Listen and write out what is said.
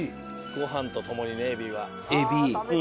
ご飯と共にねエビは。